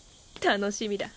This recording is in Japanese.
楽しみだ。